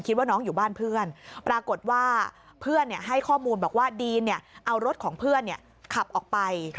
คิดว่าน้องอยู่บ้านเพื่อนปรากฏว่าเพื่อนให้ข้อมูลบอกว่าดีนเอารถของเพื่อนขับออกไป